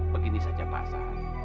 begini saja pak hasan